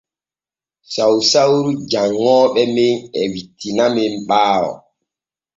Sausauru janŋooɓe men e wittinamen ɓaawo.